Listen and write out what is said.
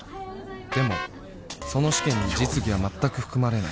でもその試験に実技は全く含まれない